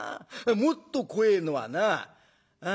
もっと怖えのはなあ